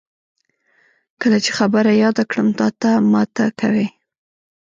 کله چې خبره یاده کړم، تاته ماته کوي.